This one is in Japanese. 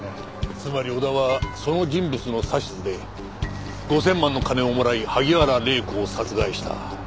つまり小田はその人物の指図で５０００万の金をもらい萩原礼子を殺害した。